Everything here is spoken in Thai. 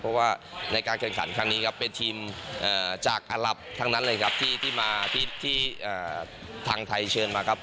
เพราะว่าในการแข่งขันครั้งนี้ครับเป็นทีมจากอลับทั้งนั้นเลยครับที่มาที่ทางไทยเชิญมาครับ